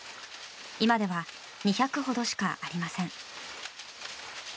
今では２００ほどしかありません。